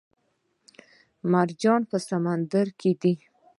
مرجانونه په سمندر کې دي